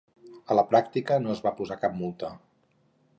a la pràctica no es va posar cap multa